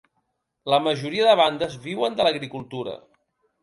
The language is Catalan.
La majoria de bandes viuen de l'agricultura.